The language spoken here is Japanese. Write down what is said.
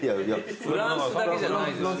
フランスだけじゃないです。